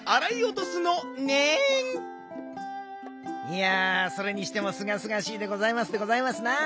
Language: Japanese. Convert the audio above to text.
いやそれにしてもすがすがしいでございますでございますな。